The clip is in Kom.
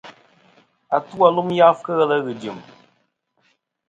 Atu-a lum yafɨ kɨ ghelɨ ghɨ̀ jɨ̀m.